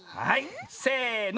せの！